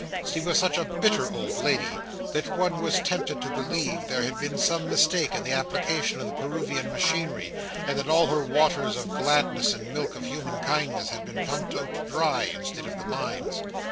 She was such a bitter old lady, that one was tempted to believe there had been some mistake in the application of the Peruvian machinery, and that all her waters of gladness and milk of human kindness, had been pumped out dry, instead of the mines.